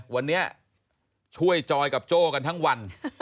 วันนี้ช่วยจอยกับโจ้กันทั้งวัน